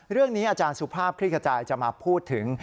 เรื่องนี้อาจารย์สุภาพคลิกระจายจะมาพูดถึง